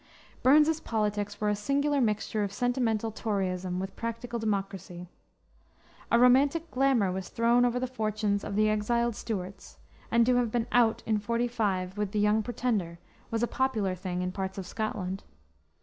Burns's politics were a singular mixture of sentimental toryism with practical democracy. A romantic glamour was thrown over the fortunes of the exiled Stuarts, and to have been "out" in '45 with the Young Pretender was a popular thing in parts of Scotland.